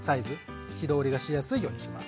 火通りがしやすいようにします。